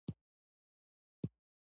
د دلبرو په ستاينه